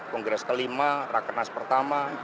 kongres kelima rakenas pertama